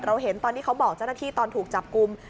เห็นตอนที่เขาบอกเจ้าหน้าที่ตอนถูกจับกลุ่ม